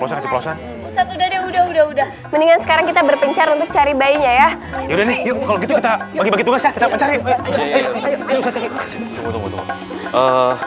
ustadz udah deh udah udah mendingan sekarang kita berpincar untuk cari bayinya ya